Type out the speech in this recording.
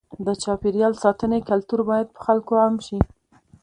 د چاپېریال ساتنې کلتور باید په خلکو کې عام شي.